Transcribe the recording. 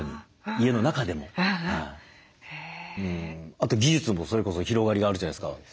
あと技術もそれこそ広がりがあるじゃないですか。